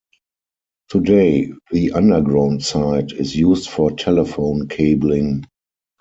Today the underground site is used for telephone cabling.